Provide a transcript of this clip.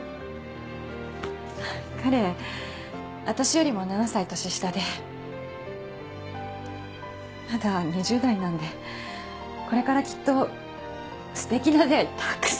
私よりも７歳年下でまだ２０代なんでこれからきっとすてきな出会い